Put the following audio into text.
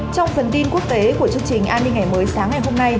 trong phần tin quốc tế của chương trình an ninh ngày mới sáng ngày hôm nay